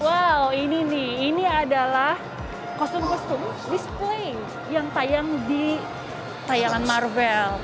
wow ini nih ini adalah kostum kostum display yang tayang di tayangan marvel